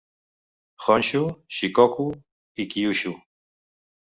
Honshu, Shikoku i Kyushu.